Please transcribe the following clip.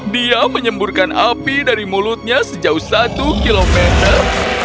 dia menyemburkan api dari mulutnya sejauh satu kilometer